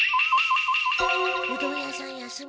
うどん屋さん休みだって。